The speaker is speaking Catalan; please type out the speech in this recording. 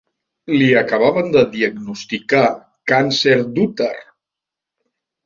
Li acabaven de diagnosticar càncer d'úter.